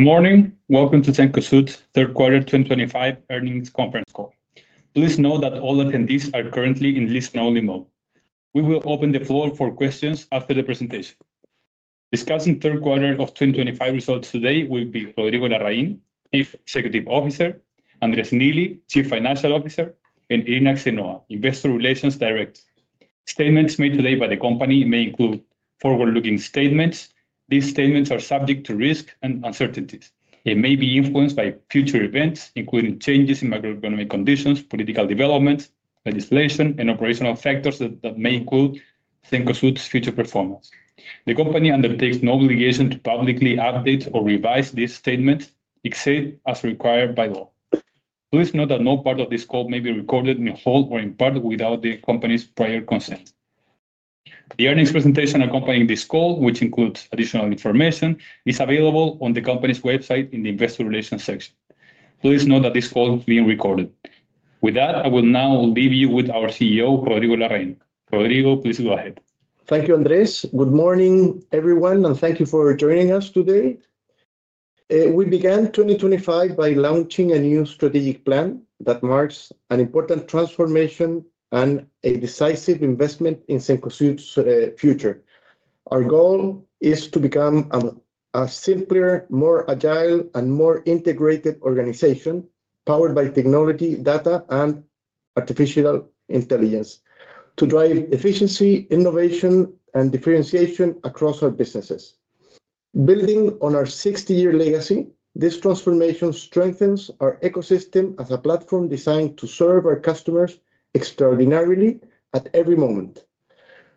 Good morning. Welcome to Cencosud 3rd Quarter 2025 earnings conference call. Please note that all attendees are currently in listen-only mode. We will open the floor for questions after the presentation. Discussing 3rd Quarter 2025 results today will be Rodrigo Larraín, Chief Executive Officer; Andrés Neely, Chief Financial Officer; and Irina Karamanos, Investor Relations Director. Statements made today by the company may include forward-looking statements. These statements are subject to risk and uncertainties. They may be influenced by future events, including changes in macroeconomic conditions, political developments, legislation, and operational factors that may include Cencosud's future performance. The company undertakes no obligation to publicly update or revise these statements, except as required by law. Please note that no part of this call may be recorded in whole or in part without the company's prior consent. The earnings presentation accompanying this call, which includes additional information, is available on the company's website in the Investor Relations section. Please note that this call is being recorded. With that, I will now leave you with our CEO, Rodrigo Larraín. Rodrigo, please go ahead. Thank you, Andrés. Good morning, everyone, and thank you for joining us today. We began 2025 by launching a new strategic plan that marks an important transformation and a decisive investment in Cencosud's future. Our goal is to become a simpler, more agile, and more integrated organization powered by technology, data, and artificial intelligence to drive efficiency, innovation, and differentiation across our businesses. Building on our 60-year legacy, this transformation strengthens our ecosystem as a platform designed to serve our customers extraordinarily at every moment.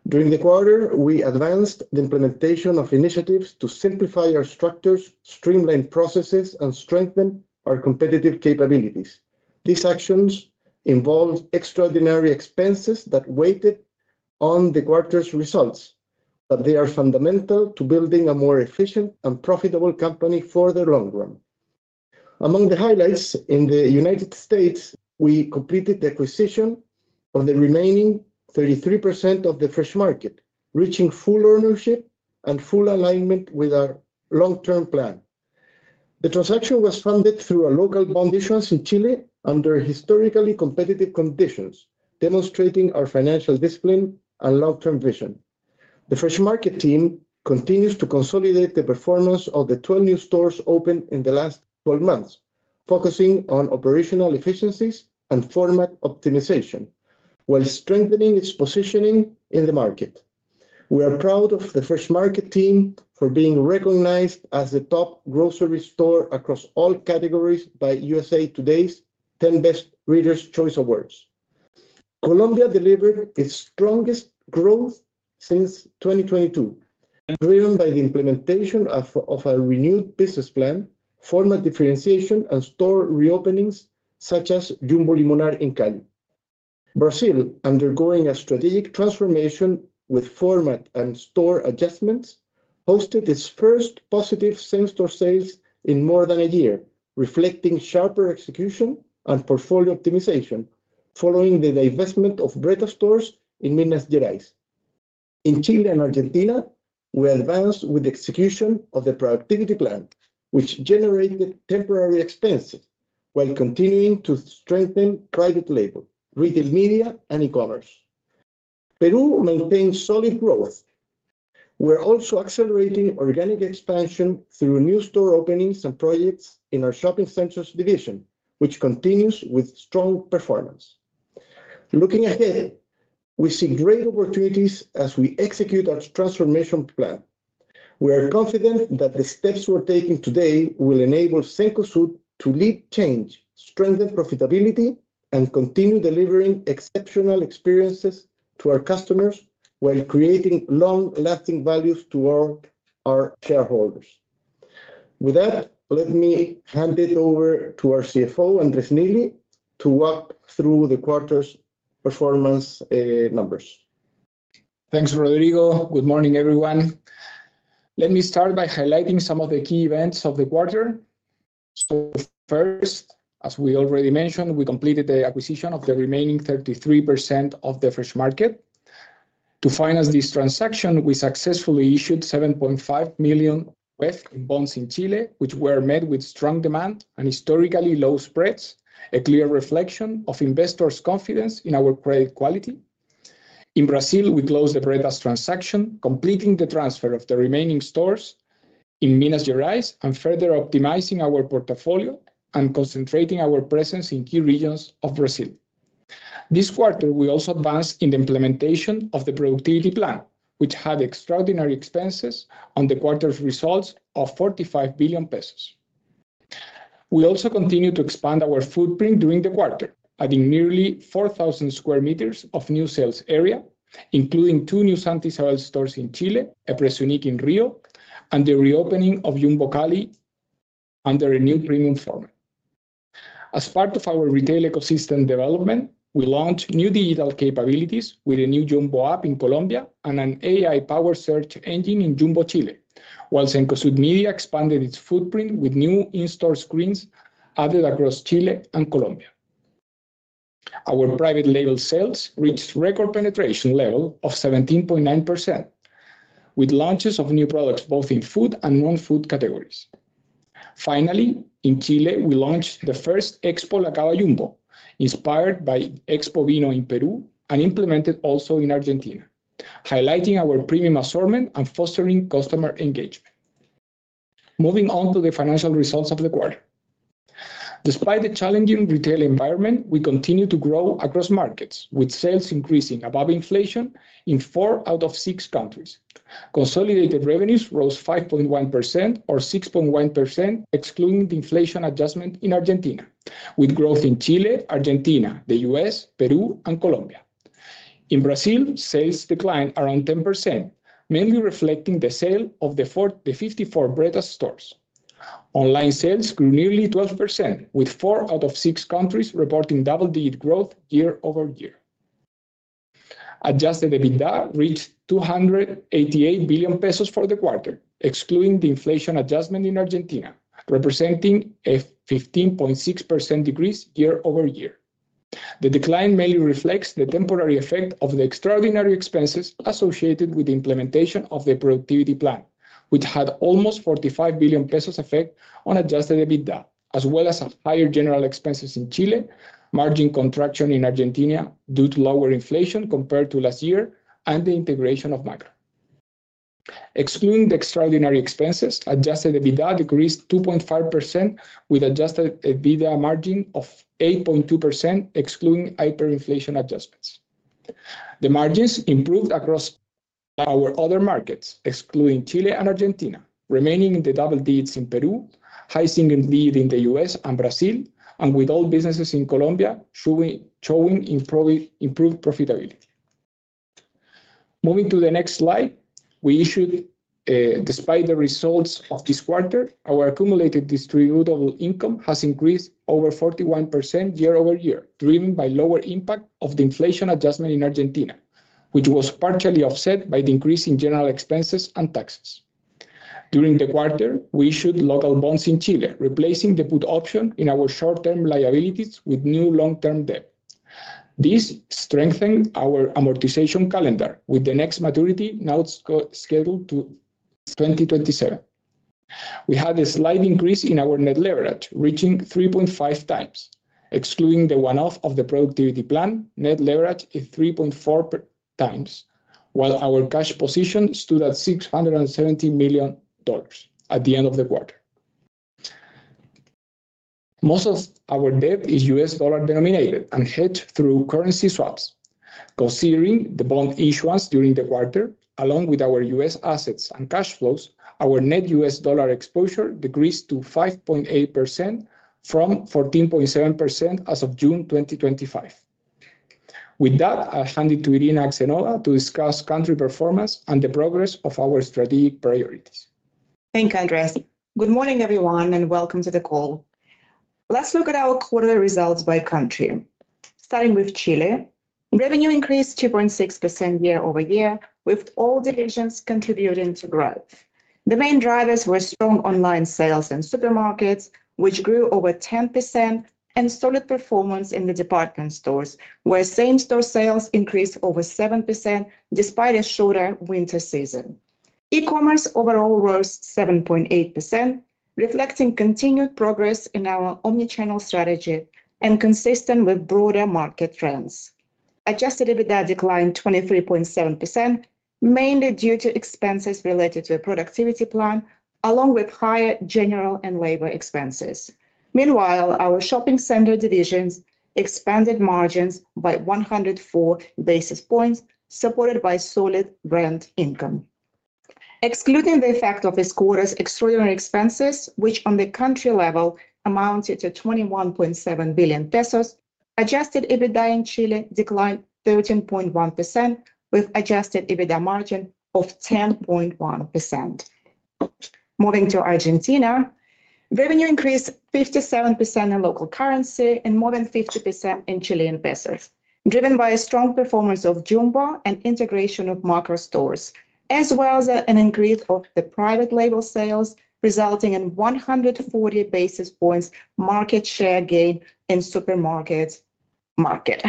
During the quarter, we advanced the implementation of initiatives to simplify our structures, streamline processes, and strengthen our competitive capabilities. These actions involved extraordinary expenses that weighed on the quarter's results, but they are fundamental to building a more efficient and profitable company for the long run. Among the highlights in the United States, we completed the acquisition of the remaining 33% of The Fresh Market, reaching full ownership and full alignment with our long-term plan. The transaction was funded through a local bond issuance in Chile under historically competitive conditions, demonstrating our financial discipline and long-term vision. The Fresh Market team continues to consolidate the performance of the 12 new stores opened in the last 12 months, focusing on operational efficiencies and format optimization, while strengthening its positioning in the market. We are proud of The Fresh Market team for being recognized as the top grocery store across all categories by USA Today's 10 Best Readers' Choice Awards. Colombia delivered its strongest growth since 2022, driven by the implementation of a renewed business plan, format differentiation, and store reopenings such as Jumbo Limonar in Cali. Brazil, undergoing a strategic transformation with format and store adjustments, hosted its first positive same-store sales in more than a year, reflecting sharper execution and portfolio optimization following the divestment of Breda stores in Minas Gerais. In Chile and Argentina, we advanced with the execution of the productivity plan, which generated temporary expenses, while continuing to strengthen private label, retail media, and e-commerce. Peru maintains solid growth. We're also accelerating organic expansion through new store openings and projects in our shopping centers division, which continues with strong performance. Looking ahead, we see great opportunities as we execute our transformation plan. We are confident that the steps we're taking today will enable Cencosud to lead change, strengthen profitability, and continue delivering exceptional experiences to our customers while creating long-lasting value to all our shareholders. With that, let me hand it over to our CFO, Andrés Neely, to walk through the quarter's performance numbers. Thanks, Rodrigo. Good morning, everyone. Let me start by highlighting some of the key events of the quarter. First, as we already mentioned, we completed the acquisition of the remaining 33% of The Fresh Market. To finance this transaction, we successfully issued $7.5 million in bonds in Chile, which were met with strong demand and historically low spreads, a clear reflection of investors' confidence in our credit quality. In Brazil, we closed the Breda transaction, completing the transfer of the remaining stores in Minas Gerais and further optimizing our portfolio and concentrating our presence in key regions of Brazil. This quarter, we also advanced in the implementation of the productivity plan, which had extraordinary expenses on the quarter's results of 45 billion pesos. We also continue to expand our footprint during the quarter, adding nearly 4,000 sq m of new sales area, including two new Santa Isabel stores in Chile, a Prezunic in Rio de Janeiro, and the reopening of Jumbo Cali under a new premium format. As part of our retail ecosystem development, we launched new digital capabilities with a new Jumbo App in Colombia and an AI-powered search engine in Jumbo, Chile, while Cencosud Media expanded its footprint with new in-store screens added across Chile and Colombia. Our private label sales reached record penetration level of 17.9%, with launches of new products both in food and non-food categories. Finally, in Chile, we launched the first Expo La Cava Jumbo, inspired by Expo Vino in Peru and implemented also in Argentina, highlighting our premium assortment and fostering customer engagement. Moving on to the financial results of the quarter. Despite the challenging retail environment, we continue to grow across markets, with sales increasing above inflation in four out of six countries. Consolidated revenues rose 5.1% or 6.1%, excluding the inflation adjustment in Argentina, with growth in Chile, Argentina, the U.S., Peru, and Colombia. In Brazil, sales declined around 10%, mainly reflecting the sale of the 54 Breda stores. Online sales grew nearly 12%, with four out of six countries reporting double-digit growth year-over-year. Adjusted EBITDA reached 288 billion pesos for the quarter, excluding the inflation adjustment in Argentina, representing a 15.6% decrease year-over-year. The decline mainly reflects the temporary effect of the extraordinary expenses associated with the implementation of the productivity plan, which had almost 45 billion pesos effect on adjusted EBITDA, as well as higher general expenses in Chile, margin contraction in Argentina due to lower inflation compared to last year, and the integration of Macro. Excluding the extraordinary expenses, adjusted EBITDA decreased 2.5%, with adjusted EBITDA margin of 8.2%, excluding hyperinflation adjustments. The margins improved across our other markets, excluding Chile and Argentina, remaining in the double digits in Peru, high single digit in the U.S. and Brazil, and with all businesses in Colombia showing improved profitability. Moving to the next slide, we issued, despite the results of this quarter, our accumulated distributable income has increased over 41% year-over-year, driven by lower impact of the inflation adjustment in Argentina, which was partially offset by the increase in general expenses and taxes. During the quarter, we issued local bonds in Chile, replacing the put option in our short-term liabilities with new long-term debt. This strengthened our amortization calendar, with the next maturity now scheduled to 2027. We had a slight increase in our net leverage, reaching 3.5x. Excluding the one-off of the productivity plan, net leverage is 3.4x, while our cash position stood at $670 million at the end of the quarter. Most of our debt is US dollar denominated and hedged through currency swaps. Considering the bond issuance during the quarter, along with our U.S. assets and cash flows, our net U.S. dollar exposure decreased to 5.8% from 14.7% as of June 2025. With that, I'll hand it to Irina Karamanos to discuss country performance and the progress of our strategic priorities. Thank you, Andrés. Good morning, everyone, and welcome to the call. Let's look at our quarterly results by country. Starting with Chile, revenue increased 2.6% year-over-year, with all divisions contributing to growth. The main drivers were strong online sales in supermarkets, which grew over 10%, and solid performance in the department stores, where same-store sales increased over 7% despite a shorter winter season. E-commerce overall rose 7.8%, reflecting continued progress in our omnichannel strategy and consistent with broader market trends. Adjusted EBITDA declined 23.7%, mainly due to expenses related to the productivity plan, along with higher general and labor expenses. Meanwhile, our shopping center divisions expanded margins by 104 basis points, supported by solid brand income. Excluding the effect of this quarter's extraordinary expenses, which on the country level amounted to 21.7 billion pesos, adjusted EBITDA in Chile declined 13.1%, with adjusted EBITDA margin of 10.1%. Moving to Argentina, revenue increased 57% in local currency and more than 50% in Chilean pesos, driven by a strong performance of Jumbo and integration of Macro stores, as well as an increase of the private label sales, resulting in 140 basis points market share gain in supermarket market.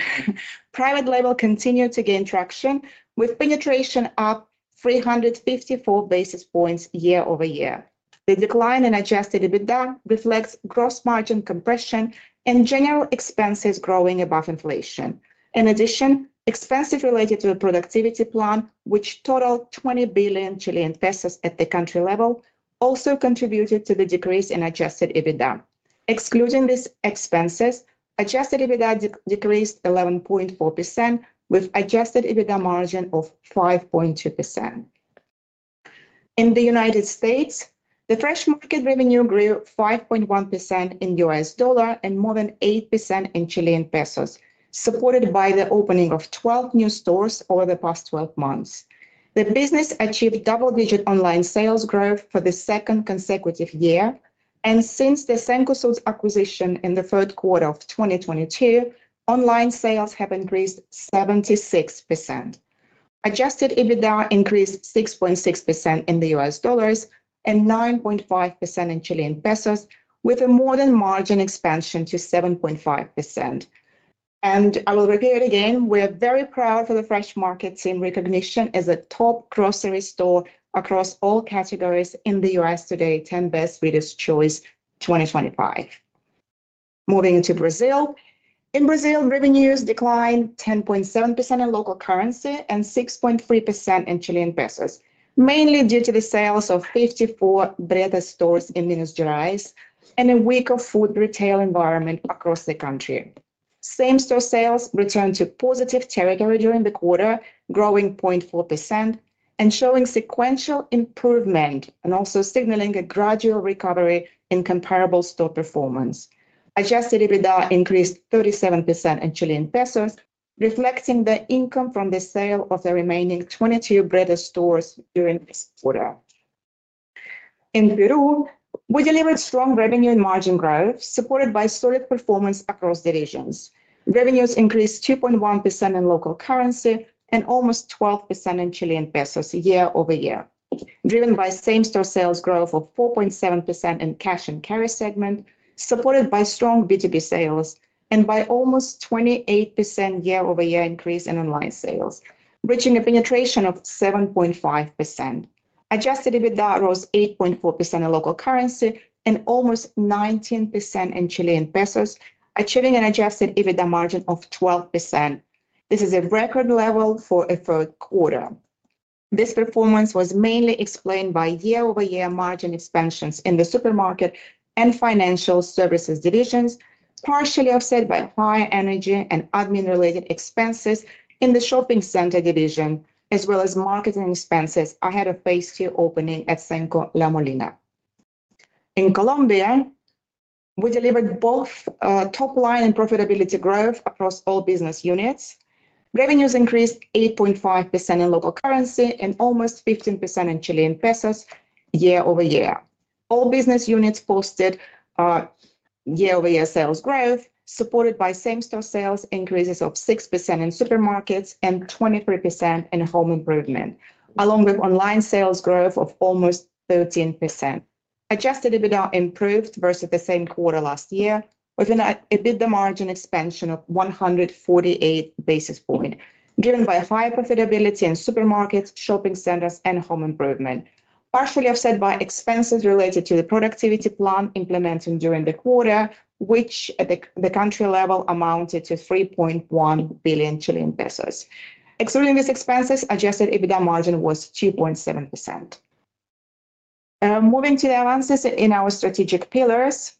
Private label continued to gain traction, with penetration up 354 basis points year-over-year. The decline in adjusted EBITDA reflects gross margin compression and general expenses growing above inflation. In addition, expenses related to the productivity plan, which totaled 20 billion Chilean pesos at the country level, also contributed to the decrease in adjusted EBITDA. Excluding these expenses, adjusted EBITDA decreased 11.4%, with adjusted EBITDA margin of 5.2%. In the United States, The Fresh Market revenue grew 5.1% in US dollar and more than 8% in CLP, supported by the opening of 12 new stores over the past 12 months. The business achieved double-digit online sales growth for the second consecutive year, and since Cencosud's acquisition in the third quarter of 2022, online sales have increased 76%. Adjusted EBITDA increased 6.6% in US dollars and 9.5% in CLP, with a margin expansion to 7.5%. I will repeat it again, we are very proud for The Fresh Market's recognition as a top grocery store across all categories in the USA Today 10 Best Readers' Choice 2025. Moving into Brazil, in Brazil, revenues declined 10.7% in local currency and 6.3% in CLP, mainly due to the sales of 54 Breda stores in Minas Gerais and a weaker food retail environment across the country. Same-store sales returned to positive territory during the quarter, growing 0.4% and showing sequential improvement and also signaling a gradual recovery in comparable store performance. Adjusted EBITDA increased 37% in CLP, reflecting the income from the sale of the remaining 22 Breda stores during this quarter. In Peru, we delivered strong revenue and margin growth, supported by solid performance across divisions. Revenues increased 2.1% in local currency and almost 12% in CLP year-over-year, driven by same-store sales growth of 4.7% in cash and carry segment, supported by strong B2B sales, and by almost 28% year-over-year increase in online sales, reaching a penetration of 7.5%. Adjusted EBITDA rose 8.4% in local currency and almost 19% in CLP, achieving an adjusted EBITDA margin of 12%. This is a record level for a third quarter. This performance was mainly explained by year-over-year margin expansions in the supermarket and financial services divisions, partially offset by high energy and admin-related expenses in the shopping center division, as well as marketing expenses ahead of phase two opening at Cenco La Molina. In Colombia, we delivered both top-line and profitability growth across all business units. Revenues increased 8.5% in local currency and almost 15% in CLP year-over-year. All business units posted year-over-year sales growth, supported by same-store sales increases of 6% in supermarkets and 23% in home improvement, along with online sales growth of almost 13%. Adjusted EBITDA improved versus the same quarter last year, with an EBITDA margin expansion of 148 basis points, driven by high profitability in supermarkets, shopping centers, and home improvement, partially offset by expenses related to the productivity plan implemented during the quarter, which at the country level amounted to 3.1 billion Chilean pesos. Excluding these expenses, adjusted EBITDA margin was 2.7%. Moving to the advances in our strategic pillars,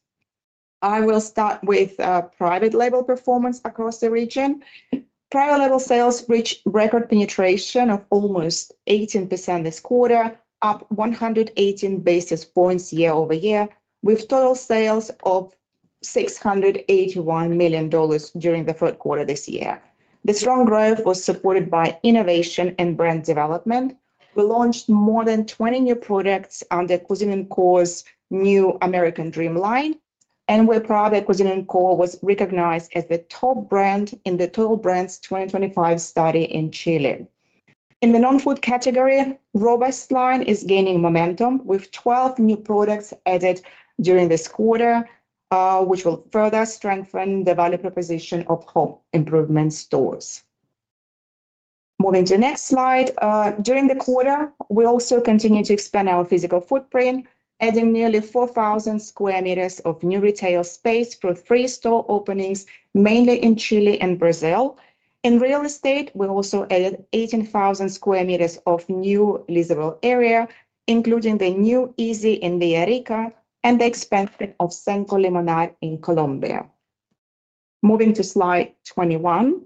I will start with private label performance across the region. Private label sales reached record penetration of almost 18% this quarter, up 118 basis points year-over-year, with total sales of $681 million during the third quarter this year. The strong growth was supported by innovation and brand development. We launched more than 20 new products under Cuisine & Co's new American Dream line, and we're proud that Cuisine & Co was recognized as the top brand in the Total Brands 2025 study in Chile. In the non-food category, Robust line is gaining momentum with 12 new products added during this quarter, which will further strengthen the value proposition of home improvement stores. Moving to the next slide, during the quarter, we also continue to expand our physical footprint, adding nearly 4,000 sq m of new retail space for three store openings, mainly in Chile and Brazil. In real estate, we also added 18,000 sq m of new leasable area, including the new Easy in Villarica and the expansion of Cenco Limonar in Colombia. Moving to slide 21,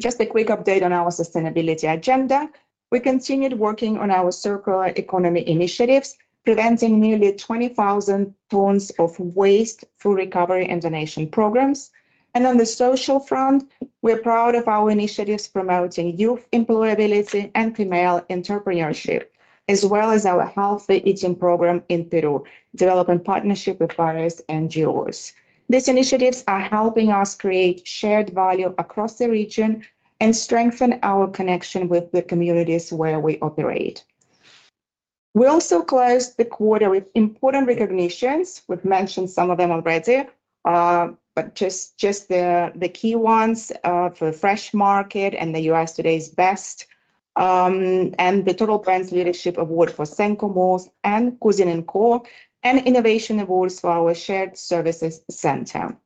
just a quick update on our sustainability agenda. We continued working on our circular economy initiatives, preventing nearly 20,000 tons of waste through recovery and donation programs. On the social front, we're proud of our initiatives promoting youth employability and female entrepreneurship, as well as our healthy eating program in Peru, developing partnership with various NGOs. These initiatives are helping us create shared value across the region and strengthen our connection with the communities where we operate. We also closed the quarter with important recognitions. We've mentioned some of them already, but just the key ones for Fresh Market and the U.S. Today's Best and the Total Brands Leadership Award for Cenco Malls and Cuisine & Co and Innovation Awards for our shared services center.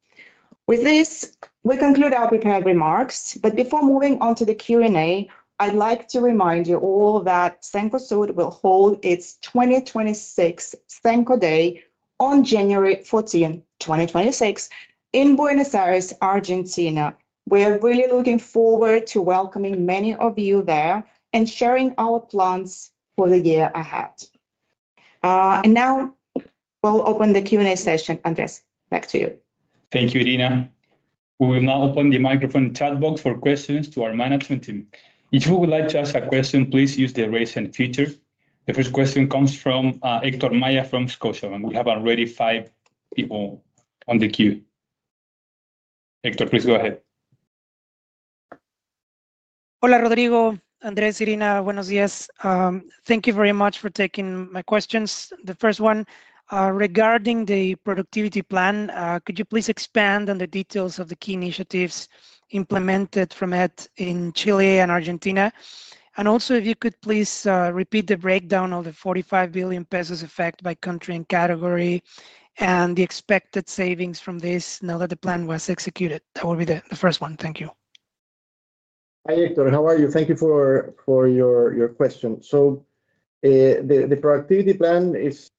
With this, we conclude our prepared remarks, but before moving on to the Q&A, I'd like to remind you all that Cencosud will hold its 2026 Cenco Day on January 14, 2026, in Buenos Aires, Argentina. We are really looking forward to welcoming many of you there and sharing our plans for the year ahead. Now we'll open the Q&A session. Andrés, back to you. Thank you, Irina. We will now open the microphone chat box for questions to our management team. If you would like to ask a question, please use the raise hand feature. The first question comes from Héctor Maya from BTG Pactual, and we have already five people on the queue. Héctor, please go ahead. Hola, Rodrigo, Andrés, Irina, buenos días. Thank you very much for taking my questions. The first one, regarding the productivity plan, could you please expand on the details of the key initiatives implemented from it in Chile and Argentina? Also, if you could please repeat the breakdown of the 45 billion pesos effect by country and category and the expected savings from this now that the plan was executed. That will be the first one. Thank you. Hi, Héctor, how are you? Thank you for your question. The productivity plan is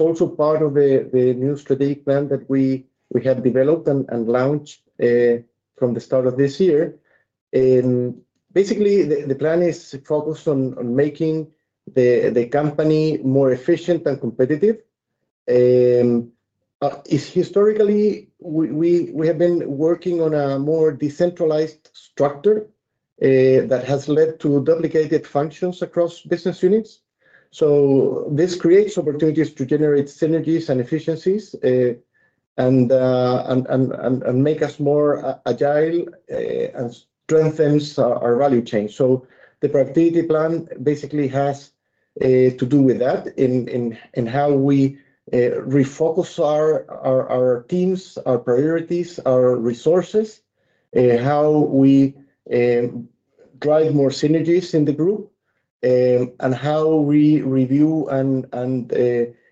also part of the new strategic plan that we have developed and launched from the start of this year. Basically, the plan is focused on making the company more efficient and competitive. Historically, we have been working on a more decentralized structure that has led to duplicated functions across business units. This creates opportunities to generate synergies and efficiencies and make us more agile and strengthens our value chain. The productivity plan basically has to do with that and how we refocus our teams, our priorities, our resources, how we drive more synergies in the group, and how we review and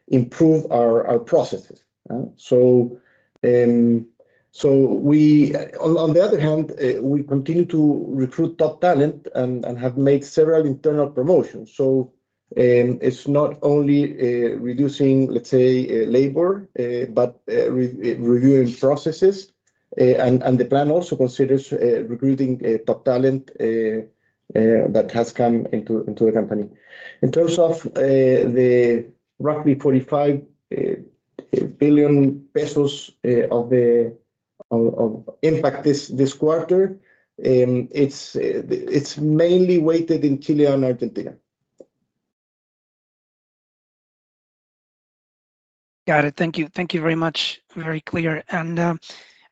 improve our processes. On the other hand, we continue to recruit top talent and have made several internal promotions. It is not only reducing, let's say, labor, but reviewing processes. The plan also considers recruiting top talent that has come into the company. In terms of the roughly 45 billion pesos of impact this quarter, it is mainly weighted in Chile and Argentina. Got it. Thank you. Thank you very much. Very clear.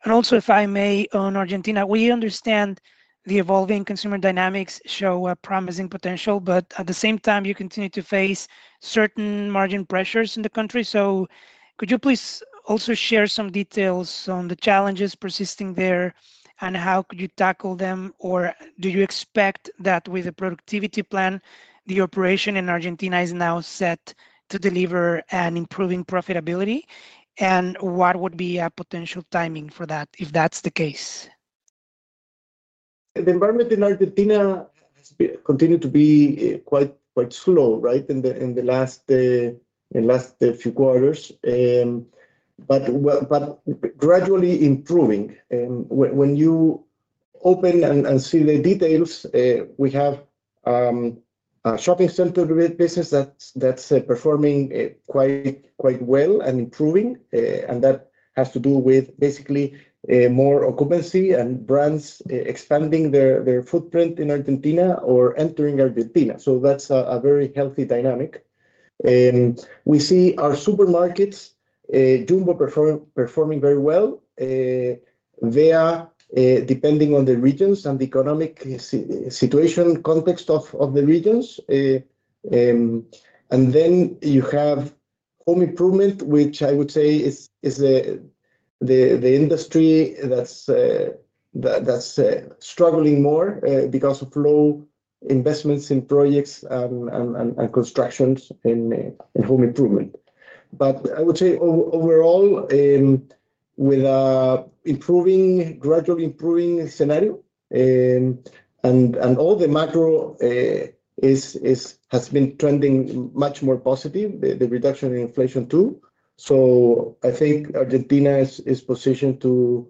If I may, on Argentina, we understand the evolving consumer dynamics show a promising potential, but at the same time, you continue to face certain margin pressures in the country. Could you please also share some details on the challenges persisting there and how could you tackle them? Do you expect that with the productivity plan, the operation in Argentina is now set to deliver an improving profitability? What would be a potential timing for that if that's the case? The environment in Argentina has continued to be quite slow, right, in the last few quarters, but gradually improving. When you open and see the details, we have a shopping center business that is performing quite well and improving. That has to do with basically more occupancy and brands expanding their footprint in Argentina or entering Argentina. That is a very healthy dynamic. We see our supermarkets Jumbo performing very well depending on the regions and the economic situation context of the regions. Then you have home improvement, which I would say is the industry that is struggling more because of low investments in projects and constructions in home improvement. I would say overall, with an improving, gradually improving scenario and all the macro has been trending much more positive, the reduction in inflation too. I think Argentina is positioned to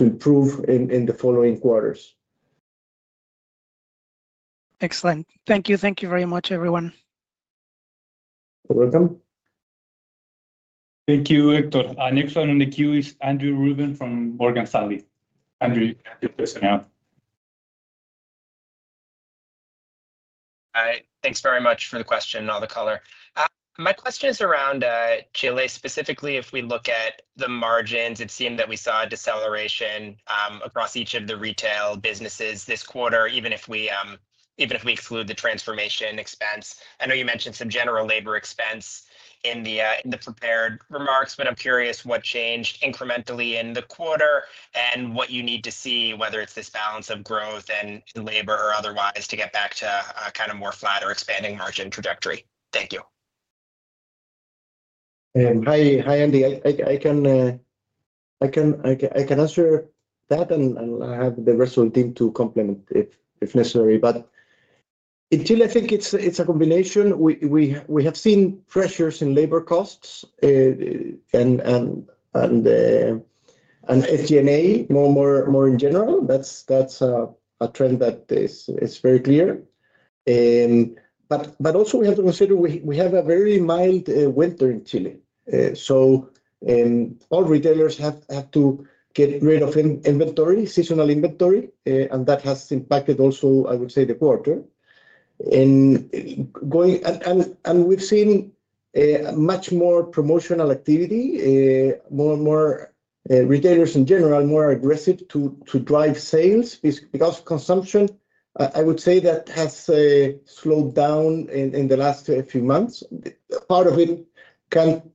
improve in the following quarters. Excellent. Thank you. Thank you very much, everyone. You're welcome. Thank you, Héctor. Next one on the queue is Andrew Rubin from Morgan Stanley. Andrew, you can take the floor now. Hi. Thanks very much for the question and all the color. My question is around Chile. Specifically, if we look at the margins, it seemed that we saw a deceleration across each of the retail businesses this quarter, even if we exclude the transformation expense. I know you mentioned some general labor expense in the prepared remarks, but I'm curious what changed incrementally in the quarter and what you need to see, whether it's this balance of growth and labor or otherwise, to get back to kind of more flat or expanding margin trajectory. Thank you. Hi, Andy. I can answer that, and I have the rest of the team to complement if necessary. In Chile, I think it's a combination. We have seen pressures in labor costs and H&A more in general. That's a trend that is very clear. We also have to consider we have a very mild winter in Chile. All retailers have to get rid of seasonal inventory, and that has impacted also, I would say, the quarter. We've seen much more promotional activity, more and more retailers in general, more aggressive to drive sales. Consumption, I would say that has slowed down in the last few months. Part of it can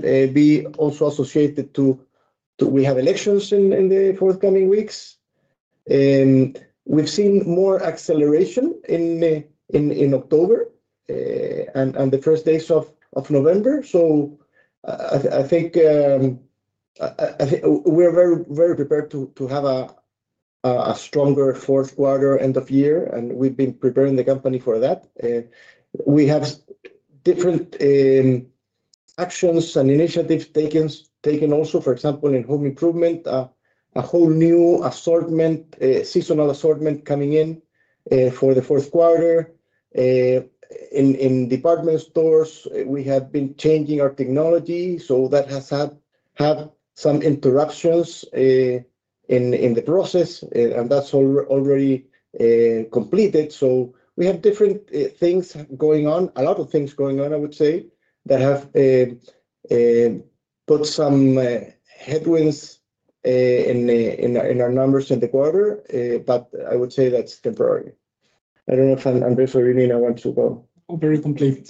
be also associated with we have elections in the forthcoming weeks. We've seen more acceleration in October and the first days of November. I think we're very prepared to have a stronger fourth quarter end of year, and we've been preparing the company for that. We have different actions and initiatives taken also, for example, in home improvement, a whole new seasonal assortment coming in for the fourth quarter. In department stores, we have been changing our technology, so that has had some interruptions in the process, and that's already completed. We have different things going on, a lot of things going on, I would say, that have put some headwinds in our numbers in the quarter, but I would say that's temporary. I don't know if Andrés or Irina want to go. Oh, very complete.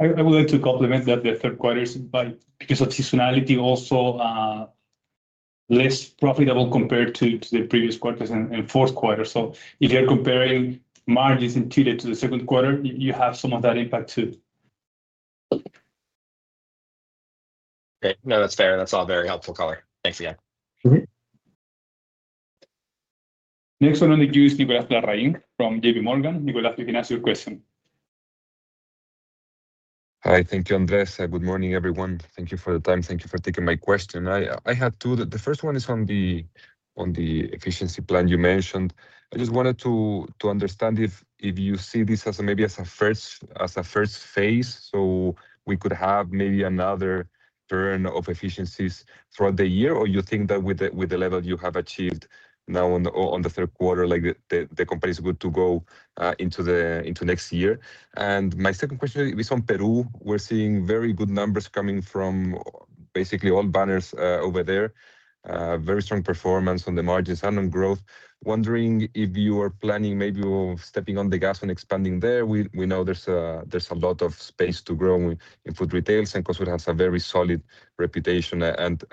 I would like to complement that the third quarter is, because of seasonality, also less profitable compared to the previous quarters and fourth quarter. If you're comparing margins in Chile to the second quarter, you have some of that impact too. Okay. No, that's fair. That's all very helpful color. Thanks again. Next one on the queue is Nicolas Larraín from JPMorgan. Nicolas, we can ask your question. Hi. Thank you, Andrés. Good morning, everyone. Thank you for the time. Thank you for taking my question. I had two. The first one is on the efficiency plan you mentioned. I just wanted to understand if you see this as maybe as a first phase, so we could have maybe another turn of efficiencies throughout the year, or you think that with the level you have achieved now on the third quarter, the company is good to go into next year? My second question is on Peru. We're seeing very good numbers coming from basically all banners over there, very strong performance on the margins and on growth. Wondering if you are planning maybe stepping on the gas and expanding there. We know there's a lot of space to grow in food retails. Cencosud has a very solid reputation and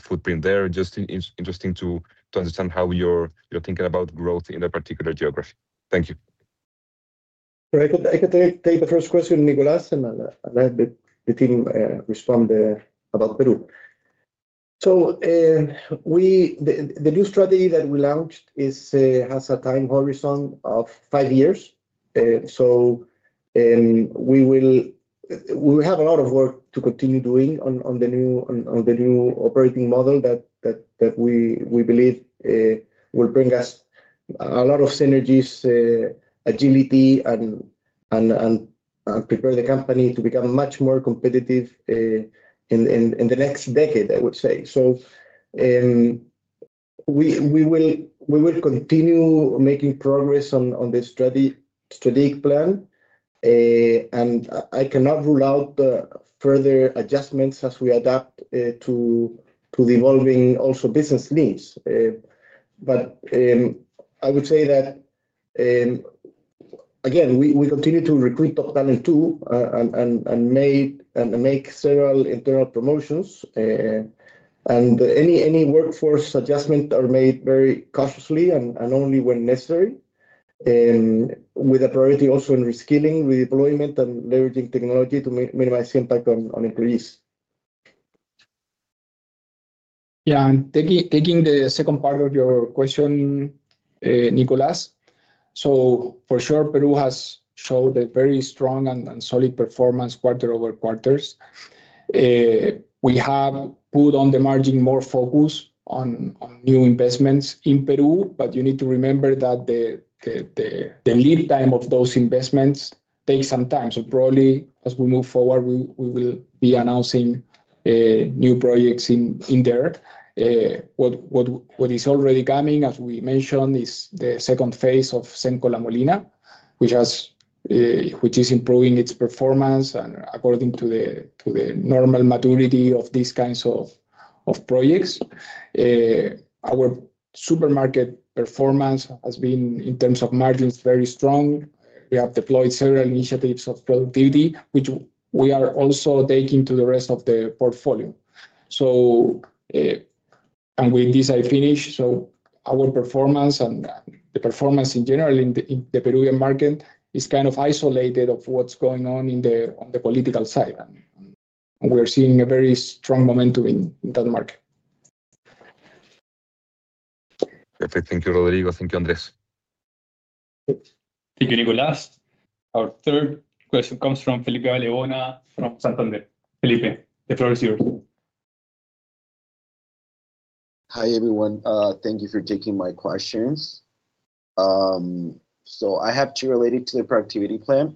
footprint there. Just interesting to understand how you're thinking about growth in a particular geography. Thank you. I could take the first question, Nicolas, and let the team respond about Peru. The new strategy that we launched has a time horizon of five years. We have a lot of work to continue doing on the new operating model that we believe will bring us a lot of synergies, agility, and prepare the company to become much more competitive in the next decade, I would say. We will continue making progress on the strategic plan, and I cannot rule out further adjustments as we adapt to the evolving also business needs. I would say that, again, we continue to recruit top talent too and make several internal promotions. Any workforce adjustment is made very cautiously and only when necessary, with a priority also in reskilling, redeployment, and leveraging technology to minimize impact on employees. Yeah. Taking the second part of your question, Nicolas, for sure, Peru has shown a very strong and solid performance quarter over quarter. We have put on the margin more focus on new investments in Peru, but you need to remember that the lead time of those investments takes some time. Probably as we move forward, we will be announcing new projects in there. What is already coming, as we mentioned, is the second phase of Cenco La Molina, which is improving its performance according to the normal maturity of these kinds of projects. Our supermarket performance has been, in terms of margins, very strong. We have deployed several initiatives of productivity, which we are also taking to the rest of the portfolio. With this, I finish. Our performance and the performance in general in the Peruvian market is kind of isolated from what's going on on the political side. We're seeing a very strong momentum in that market. Perfect. Thank you, Rodrigo. Thank you, Andrés. Thank you, Nicolas. Our third question comes from Felipe Aliyena from Santander. Felipe, the floor is yours. Hi, everyone. Thank you for taking my questions. I have two related to the productivity plan.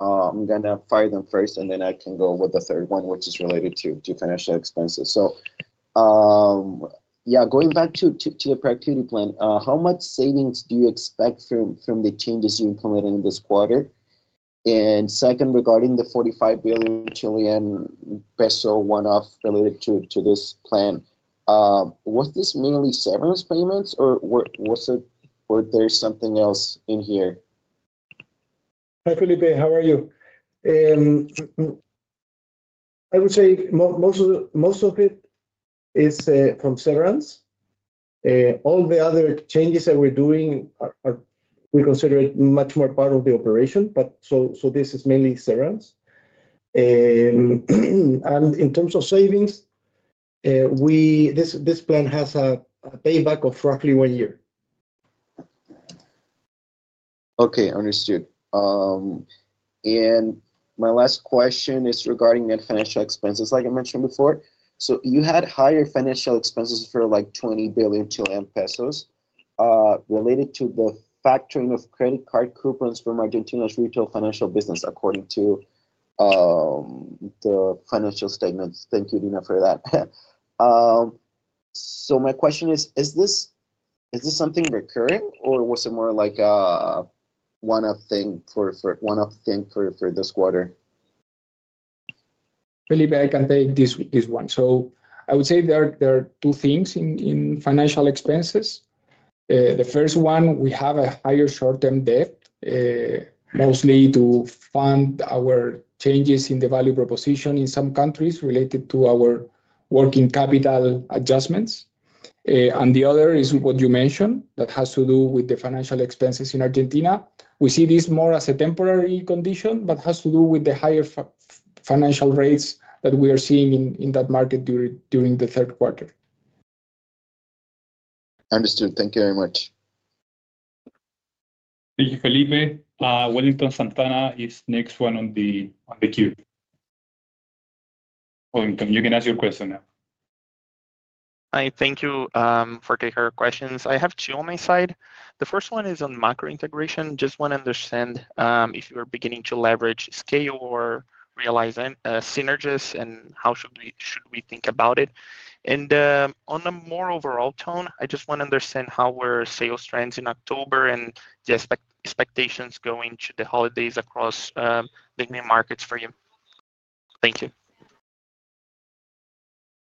I'm going to fire them first, and then I can go with the third one, which is related to financial expenses. Going back to the productivity plan, how much savings do you expect from the changes you implemented in this quarter? Second, regarding the 45 billion Chilean peso one-off related to this plan, was this mainly severance payments, or was there something else in here? Hi, Felipe. How are you? I would say most of it is from severance. All the other changes that we're doing, we consider it much more part of the operation. This is mainly severance. In terms of savings, this plan has a payback of roughly one year. Okay. Understood. My last question is regarding net financial expenses, like I mentioned before. You had higher financial expenses for like 20 billion pesos related to the factoring of credit card coupons from Argentina's retail financial business, according to the financial statements. Thank you, Irina, for that. My question is, is this something recurring, or was it more like a one-off thing for this quarter? Felipe, I can take this one. I would say there are two things in financial expenses. The first one, we have a higher short-term debt, mostly to fund our changes in the value proposition in some countries related to our working capital adjustments. The other is what you mentioned that has to do with the financial expenses in Argentina. We see this more as a temporary condition, but has to do with the higher financial rates that we are seeing in that market during the third quarter. Understood. Thank you very much. Thank you, Felipe. Wellington Santana is next one on the queue. Wellington, you can ask your question now. Hi. Thank you for taking our questions. I have two on my side. The first one is on Macro integration. Just want to understand if you are beginning to leverage, scale, or realize synergies and how should we think about it. I just want to understand how were sales trends in October and the expectations going to the holidays across the main markets for you. Thank you.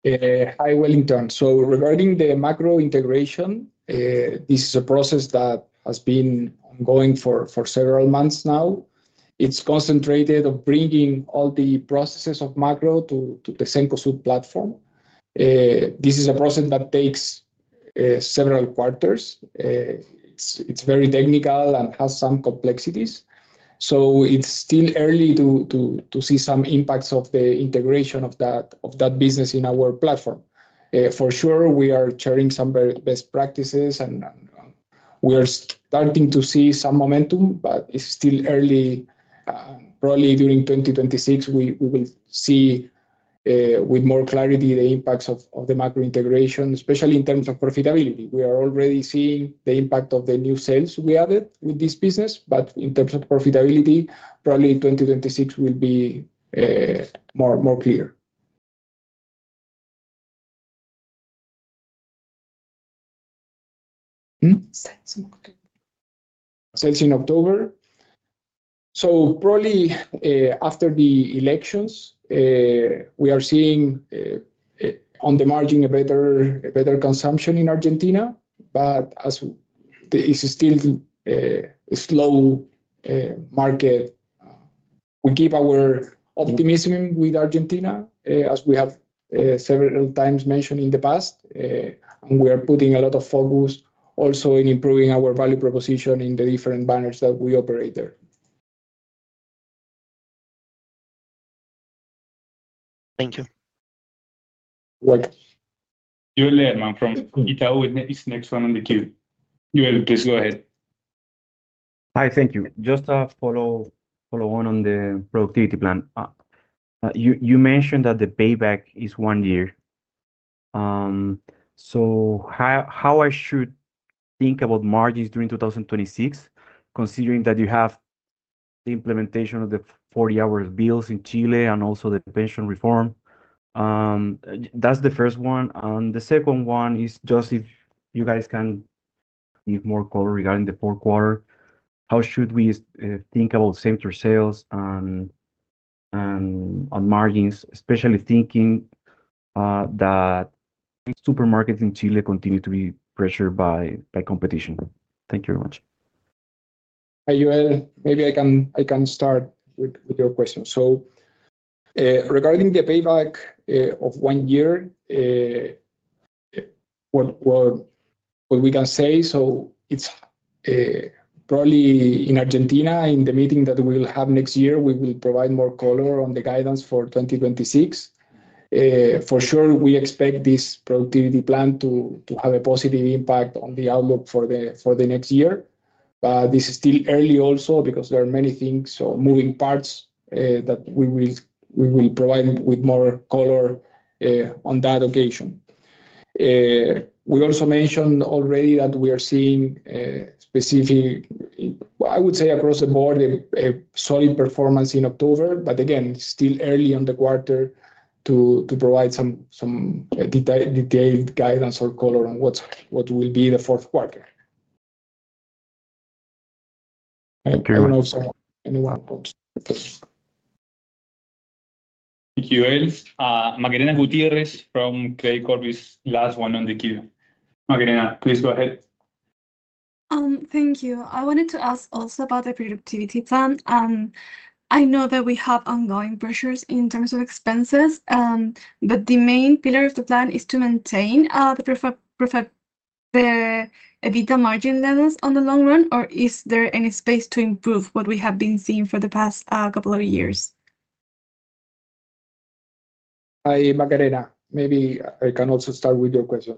Hi, Wellington. Regarding the Macro integration, this is a process that has been ongoing for several months now. It is concentrated on bringing all the processes of Macro to the Cencosud platform. This is a process that takes several quarters. It is very technical and has some complexities. It is still early to see some impacts of the integration of that business in our platform. For sure, we are sharing some best practices, and we are starting to see some momentum, but it is still early. Probably during 2026, we will see with more clarity the impacts of the Macro integration, especially in terms of profitability. We are already seeing the impact of the new sales we added with this business, but in terms of profitability, probably 2026 will be more clear. Sales in October. Probably after the elections, we are seeing on the margin a better consumption in Argentina, but it is still a slow market. We keep our optimism with Argentina, as we have several times mentioned in the past, and we are putting a lot of focus also in improving our value proposition in the different banners that we operate there. Thank you. Joel Lederman from Itaú. It's next one on the queue. Joel, Please go ahead. Hi. Thank you. Just a follow-on on the productivity plan. You mentioned that the payback is one year. How should I think about margins during 2026, considering that you have the implementation of the 40-hour bills in Chile and also the pension reform? That is the first one. The second one is just if you guys can give more color regarding the fourth quarter, how should we think about central sales and margins, especially thinking that supermarkets in Chile continue to be pressured by competition? Thank you very much. Hi, Joel. Maybe I can start with your question. Regarding the payback of one year, what we can say, probably in Argentina, in the meeting that we will have next year, we will provide more color on the guidance for 2026. For sure, we expect this productivity plan to have a positive impact on the outlook for next year, but this is still early also because there are many things, moving parts that we will provide with more color on that occasion. We also mentioned already that we are seeing specific, I would say across the board, a solid performance in October, but again, still early on the quarter to provide some detailed guidance or color on what will be the fourth quarter. Thank you. I don't know if anyone wants to. Thank you, Joel. Maria Ignacia from Credicorp is last one on the queue. Maria Ignacia, please go ahead. Thank you. I wanted to ask also about the productivity plan. I know that we have ongoing pressures in terms of expenses, but the main pillar of the plan is to maintain the EBITDA margin levels on the long run, or is there any space to improve what we have been seeing for the past couple of years? Hi, Maria Ignacia. Maybe I can also start with your question.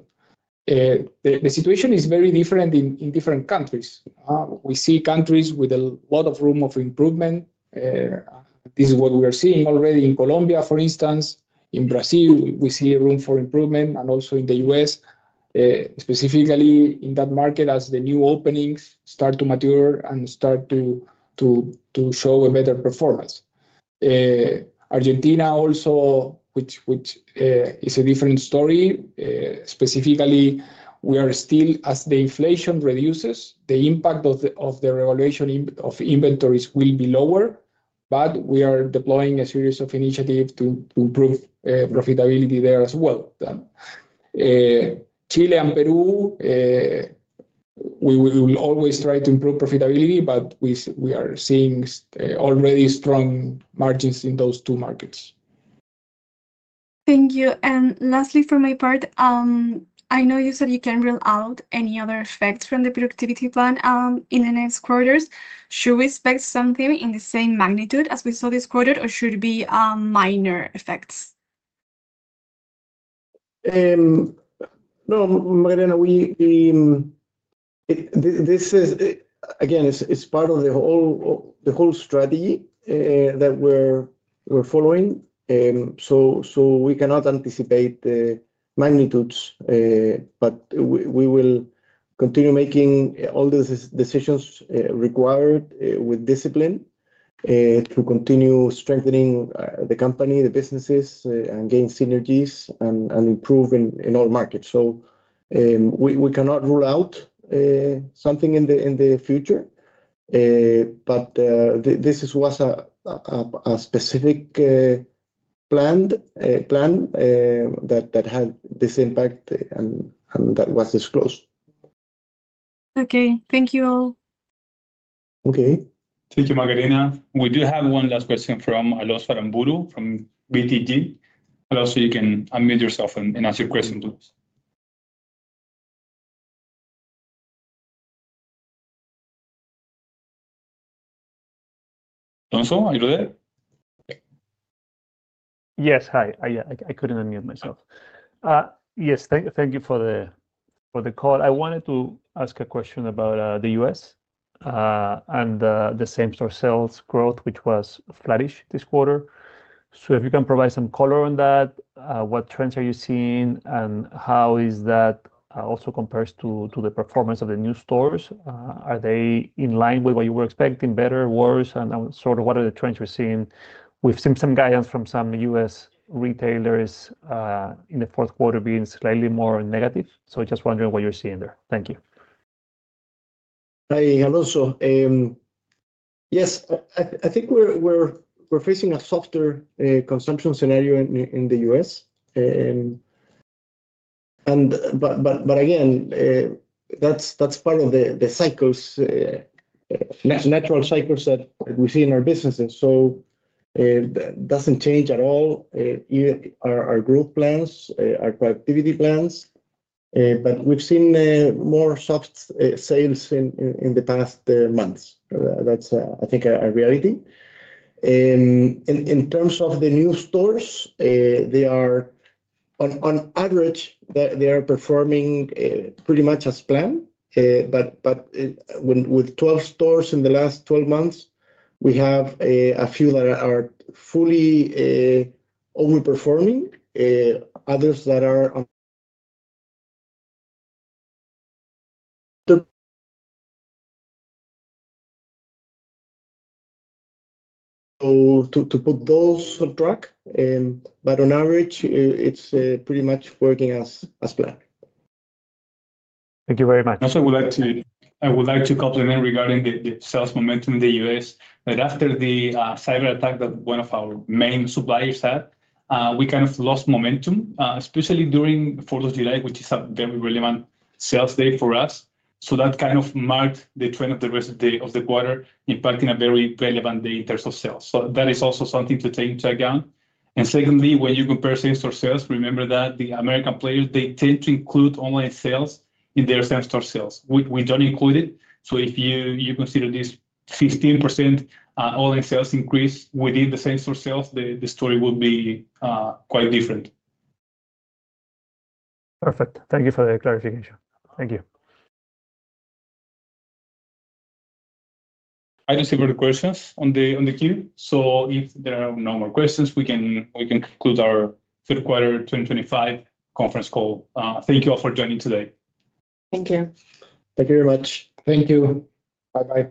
The situation is very different in different countries. We see countries with a lot of room of improvement. This is what we are seeing already in Colombia, for instance. In Brazil, we see room for improvement, and also in the US, specifically in that market as the new openings start to mature and start to show a better performance. Argentina also, which is a different story. Specifically, we are still, as the inflation reduces, the impact of the revaluation of inventories will be lower, but we are deploying a series of initiatives to improve profitability there as well. Chile and Peru, we will always try to improve profitability, but we are seeing already strong margins in those two markets. Thank you. Lastly, from my part, I know you said you can rule out any other effects from the productivity plan in the next quarters. Should we expect something in the same magnitude as we saw this quarter, or should it be minor effects? No, Maria Ignacia, this is, again, part of the whole strategy that we're following. We cannot anticipate the magnitudes, but we will continue making all the decisions required with discipline to continue strengthening the company, the businesses, and gain synergies and improve in all markets. We cannot rule out something in the future, but this was a specific plan that had this impact and that was disclosed. Okay. Thank you all. Okay. Thank you, Maria Ignacia. We do have one last question from Alonso Aramburu from BTG. Alonso, you can unmute yourself and ask your question, please. Alonso, are you there? Yes. Hi. I could not unmute myself. Yes. Thank you for the call. I wanted to ask a question about the US and the same-store sales growth, which was flourish this quarter. If you can provide some color on that, what trends are you seeing, and how is that also compared to the performance of the new stores? Are they in line with what you were expecting, better, worse? What are the trends we are seeing? We have seen some guidance from some US retailers in the fourth quarter being slightly more negative. I am just wondering what you are seeing there. Thank you. Hi, Alonso. Yes, I think we're facing a softer consumption scenario in the U.S. Again, that's part of the natural cycles that we see in our businesses. It doesn't change at all our growth plans or productivity plans, but we've seen more soft sales in the past months. That's, I think, a reality. In terms of the new stores, on average, they are performing pretty much as planned. With 12 stores in the last 12 months, we have a few that are fully overperforming, others that are to put those on track. On average, it's pretty much working as planned. Thank you very much. Also, I would like to complement regarding the sales momentum in the U.S. that after the cyber attack that one of our main suppliers had, we kind of lost momentum, especially during 4th of July, which is a very relevant sales day for us. That kind of marked the trend of the rest of the quarter, impacting a very relevant day in terms of sales. That is also something to take into account. Secondly, when you compare same-store sales, remember that the American players, they tend to include online sales in their same-store sales. We do not include it. If you consider this 15% online sales increase within the same-store sales, the story would be quite different. Perfect. Thank you for the clarification. Thank you. I don't see further questions on the queue. If there are no more questions, we can conclude our third quarter 2025 conference call. Thank you all for joining today. Thank you. Thank you very much. Thank you. Bye-bye.